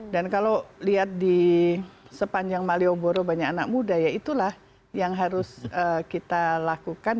dan kalau lihat di sepanjang malioboro banyak anak muda ya itulah yang harus kita lakukan